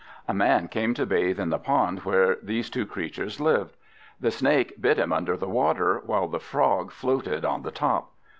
A Man came to bathe in the pond where these two creatures lived. The Snake bit him under the water, while the Frog floated on the top.